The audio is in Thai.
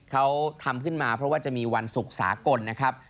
เขาทำขึ้นมาเพราะว่าจะมีวันศุกร์สากลนะครับ